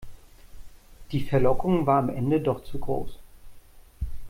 Die Verlockung war am Ende doch zu groß.